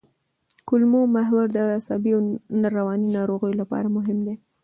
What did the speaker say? کولمو محور د عصبي او رواني ناروغیو لپاره مهم دی.